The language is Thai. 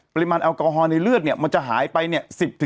แอลกอฮอลในเลือดเนี่ยมันจะหายไปเนี่ย